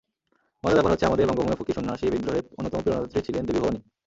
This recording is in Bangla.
মজার ব্যাপার হচ্ছে, আমাদের বঙ্গভূমে ফকির-সন্ন্যাসী বিদ্রোহের অন্যতম প্রেরণাদাত্রী ছিলেন দেবী ভবানী।